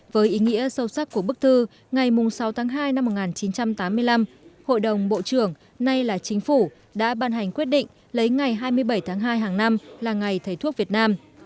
với ý nghĩa sâu sắc của bức thư ngày sáu tháng hai năm một nghìn chín trăm tám mươi năm hội đồng bộ trưởng nay là chính phủ đã ban hành quyết định lấy ngày hai mươi bảy tháng hai hàng năm là ngày thầy thuốc việt nam